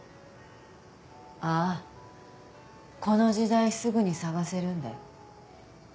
ああーこの時代すぐに捜せるんだよ